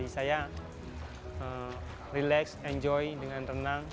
saya relax enjoy dengan renang